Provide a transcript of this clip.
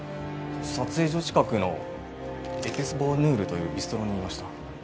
撮影所近くのエピスボヌールというビストロにいました。